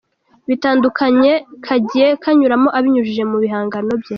bitandukanye kagiye kanyuramo abinyujije mu bihangano bye.